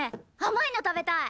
甘いの食べたい！